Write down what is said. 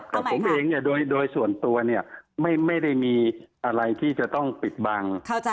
แต่ผมเองเนี่ยโดยส่วนตัวเนี่ยไม่ได้มีอะไรที่จะต้องปิดบัง